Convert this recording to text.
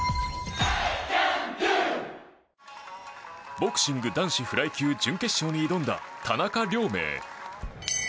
ボクシング男子フライ級準決勝に挑んだ田中亮明。